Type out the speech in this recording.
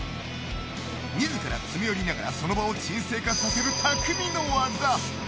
自ら詰め寄りながらその場を沈静化させる匠の技。